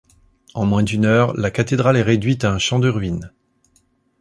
En moins d'une heure, la cathédrale est réduite à un champ de ruines.